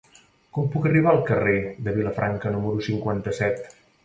Com puc arribar al carrer de Vilafranca número cinquanta-set?